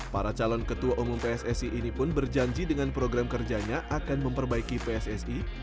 para calon ketua umum pssi ini pun berjanji dengan program kerjanya akan memperbaiki pssi